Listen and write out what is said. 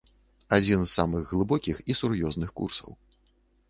Адзін з самых глыбокіх і сур'ёзных курсаў.